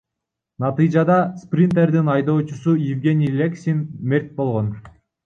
Натыйжада Спринтердин айдоочусу Евгений Лексин мерт болгон.